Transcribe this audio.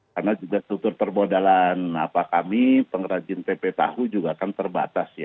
karena juga struktur permodalan kami pengrajin tempe tahu juga kan terbatas ya